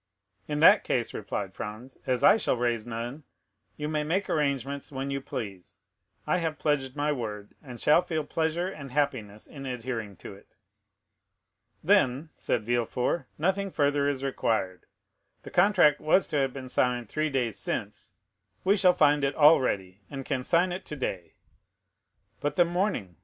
"In that case," replied Franz, "as I shall raise none, you may make arrangements when you please; I have pledged my word, and shall feel pleasure and happiness in adhering to it." "Then," said Villefort, "nothing further is required. The contract was to have been signed three days since; we shall find it all ready, and can sign it today." "But the mourning?"